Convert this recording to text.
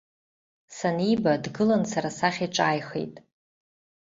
Саниба дгылан сара сахь иҿааихеит.